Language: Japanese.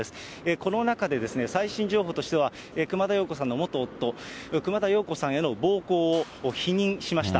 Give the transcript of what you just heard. この中で、最新情報としては、熊田曜子さんの元夫、熊田曜子さんへの暴行を否認しました。